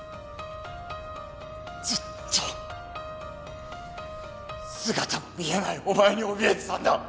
ずっと姿も見えないお前におびえてたんだ！